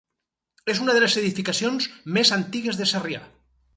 És una de les edificacions més antigues de Sarrià.